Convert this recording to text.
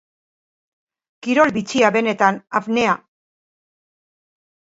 Kirol bitxia benetan apnea.